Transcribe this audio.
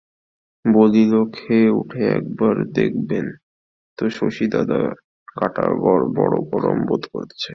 বলিল, খেয়ে উঠে একবার দেখবেন তো শশীদাদা, গাটা বড় গরম বোধ হচ্ছে।